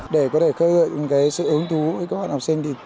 để có thể khơi dậy những sự ứng thú của các bạn học sinh